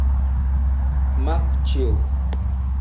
Makĉjo!